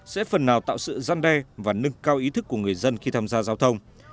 sẽ phần nào tạo sự gian đe và nâng cao ý thức của người dân khi tham gia giao thông